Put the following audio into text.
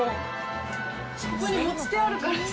ここに持ち手あるからさ。